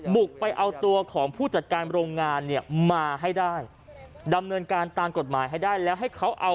บุกไปเอาตัวของผู้จัดการโรงงานมาให้ได้